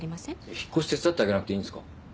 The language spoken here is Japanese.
引っ越し手伝ってあげなくていいんですか？